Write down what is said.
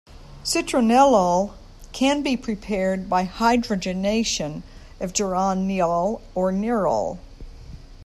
Citronellol can be prepared by hydrogenation of geraniol or nerol.